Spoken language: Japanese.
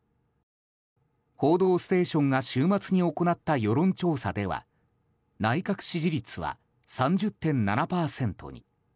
「報道ステーション」が週末に行った世論調査では内閣支持率は３０．７％に。